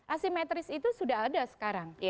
asimetris itu sudah ada sekarang